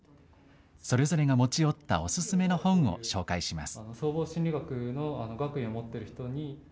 それぞれが持ち寄ったお勧めの本を紹介します。